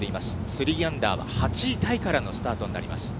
３アンダーの８位タイからのスタートになります。